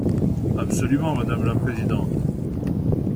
Absolument, madame la présidente.